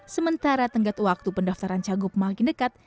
sementara tenggat waktu pendaftaran cagup makin dekat